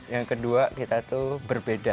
yang kedua kita tuh berbeda